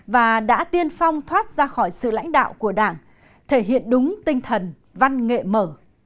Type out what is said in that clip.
và đã tiên phong thoát ra khỏi sự lãnh đạo của đảng thể hiện đúng tinh thần văn nghệ mở